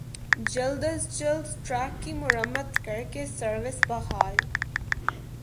جلد از جلد ٹریک کی مرمت کر کے سروس بحال